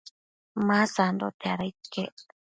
ma sandote, ada iquec